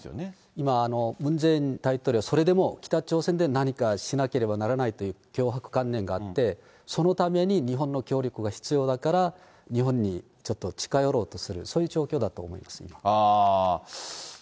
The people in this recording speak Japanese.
今、ムン・ジェイン大統領は、それでも北朝鮮で何かしなければならないという強迫観念があって、そのために日本の協力が必要だから、日本にちょっと近寄ろうとする、そういう状況だと思いますね。